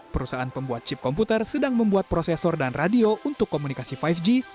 perusahaan pembuat chip komputer sedang membuat prosesor dan radio untuk komunikasi lima g